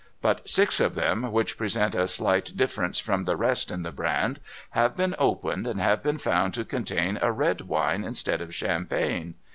But six of them, which present a slight difference from the rest in the brand, have been opened, and have been found to contain a red wine instead of champagne.